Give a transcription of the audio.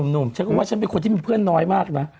หนุ่มฉันก็ว่าฉันเป็นคนที่มีเพื่อนน้อยมากนะ